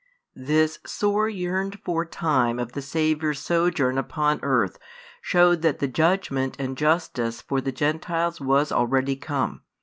This sore yearned for time of the Saviour's sojourn upon earth showed that the judgment and justice for the Gentiles was already come.